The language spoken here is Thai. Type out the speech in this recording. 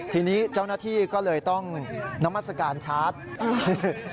ทีนี้เจ้าหน้าที่ก็เลยต้องนมัศกาลชาร์จ